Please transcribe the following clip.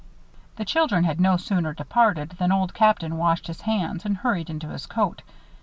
The children had no sooner departed than Old Captain washed his hands and hurried into his coat.